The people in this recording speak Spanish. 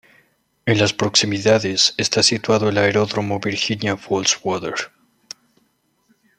En las proximidades está situado el aeródromo Virginia Falls Water.